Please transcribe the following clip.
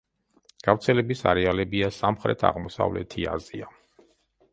გავრცელების არეალებია სამხრეთ-აღმოსავლეთი აზია.